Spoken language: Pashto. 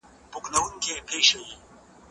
سبزیجات د مور له خوا جمع کيږي،